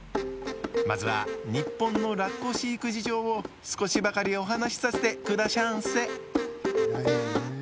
まずは日本のラッコ飼育事情を少しばかりお話しさせてくだしゃんせ。